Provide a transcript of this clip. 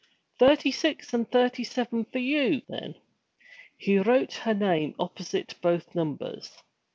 'Thirty six and thirty seven for you, then!' He wrote her name opposite both numbers.